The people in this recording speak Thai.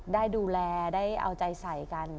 ได้ดูแลได้เอาใจใส่กัน